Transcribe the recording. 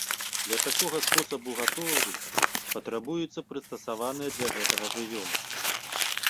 Для такога спосабу гадоўлі патрабуюцца прыстасаваныя для гэтага жывёлы.